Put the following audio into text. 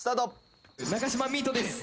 「中島ミートです」